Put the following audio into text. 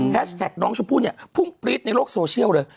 แท็กน้องชมพู่เนี่ยพุ่งปรี๊ดในโลกโซเชียลเลย